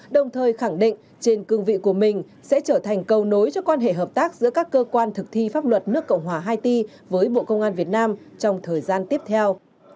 đồng thời khẳng định trên cương vị của mình sẽ trở thành cầu nối cho quan hệ hợp tác giữa các cơ quan thực thi pháp luật nước cộng hòa haiti với bộ công an việt nam trong thời gian tiếp theo